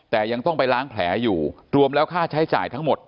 แต่ยังต้องไปล้างแผลอยู่รวมแล้วค่าใช้จ่ายทั้งหมด